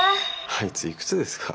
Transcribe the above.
あいついくつですか？